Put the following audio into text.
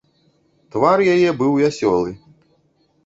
Твар яе быў вясёлы.